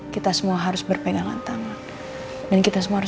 kita semua harus berpegangan tangan